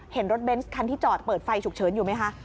เห็นรถเบนส์คันที่จอดเปิดไฟฉุกเฉินอยู่ไหมคะ